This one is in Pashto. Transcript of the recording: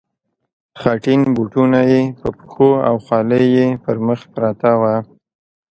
خټین بوټونه یې په پښو او خولۍ یې پر مخ پرته وه.